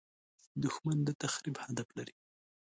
دښمن د تخریب هدف لري